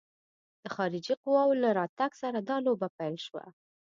د خارجي قواوو له راتګ سره دا لوبه پیل شوه.